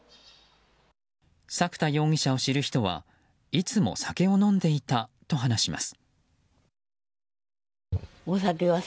作田容疑者を知る人はいつも酒を飲んでいたと話します。